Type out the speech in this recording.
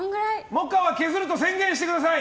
萌歌は削ると宣言してください！